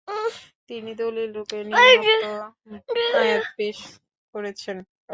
তিনি দলীলরূপে নিমোক্ত আয়াত পেশ করেছেন।